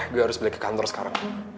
gue harus beli ke kantor sekarang